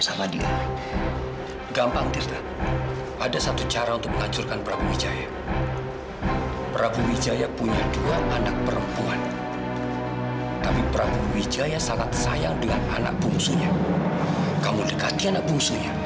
sampai jumpa di video selanjutnya